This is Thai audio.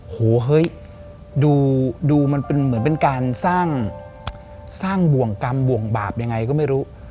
โหเฮ้ยดูมันเป็นเหมือนเป็นการสร้างบ่วงกรรมบ่วงบาปยังไงก็ไม่รู้